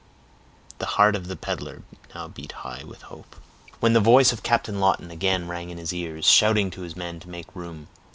The heart of the peddler now beat high with hope, when the voice of Captain Lawton again rang in his ears, shouting to his men to make room.